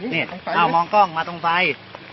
เนี้ยเจ้ามองกล้องมาตรงไฟ